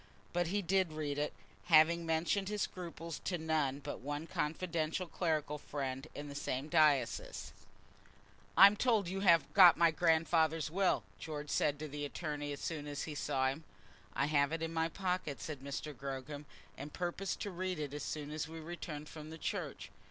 But he did read it, having mentioned his scruples to none but one confidential clerical friend in the same diocese. "I'm told that you have got my grandfather's will," George said to the attorney as soon as he saw him. "I have it in my pocket," said Mr. Gogram, "and purpose to read it as soon as we return from church."